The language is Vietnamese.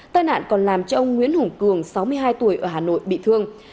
tai nạn còn làm cho ông nguyễn hùng cường sáu mươi hai tuổi ở hà nội bị thương